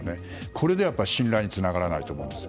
これでは信頼はつながらないと思うんです。